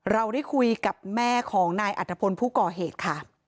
เราได้คุยกับแม่ของนายอัตภพลผู้ก่อเหตุค่ะ